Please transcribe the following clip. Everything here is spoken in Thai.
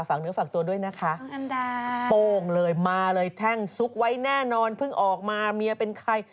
เนื้อฝากตัวด้วยนะคะโป้งเลยมาเลยแท่งซุกไว้แน่นอนเพิ่งออกมาเมียเป็นใคร